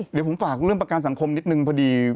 เดี๋ยวผมฝากเรื่องประกันสังคมนิดนึงพอดี